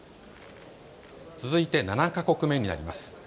続いて７か国目になります。